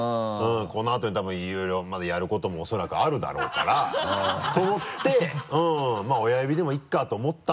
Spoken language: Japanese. このあとに多分いろいろまだやることも恐らくあるだろうからと思ってまぁ親指でもいいかと思ったんですけど。